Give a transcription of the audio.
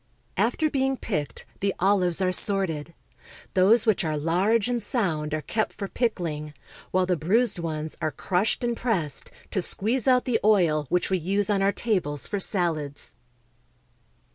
After being picked, the oHves are sorted. OLIVES AND FIGS. 2^^ Those which are large and sound are kept for pickling, while the bruised ones are crushed and pressed to squeeze out the oil which we use on our tables for salads.